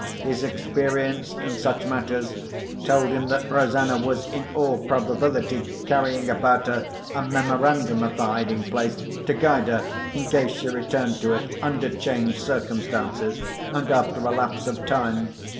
His experience in such matters told him that Rosanna was in all probability carrying about her a memorandum of the hiding place, to guide her, in case she returned to it, under changed circumstances and after a lapse of time.